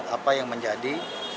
apa yang menjadi